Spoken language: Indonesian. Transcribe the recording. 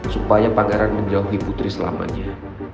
supaya pangeran menjauhi putri selamanya